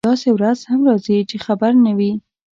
داسې ورځ هم راځي چې خبر نه وي.